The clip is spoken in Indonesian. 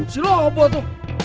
si lu apa tuh